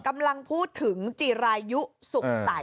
กำลังพูดถึงจิรายุสุขใส